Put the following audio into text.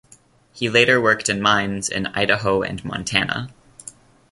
He later worked in mines in Idaho and Montana.